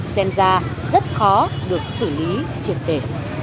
xem ra rất khó được xử lý triệt để